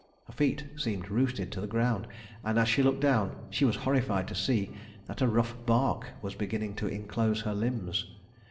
Her feet seemed rooted to the ground; and, as she looked down, she was horrified to see that a rough bark was beginning to inclose her limbs.